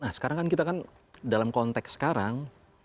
nah sekarang kan kita kan dalam konteks sekarang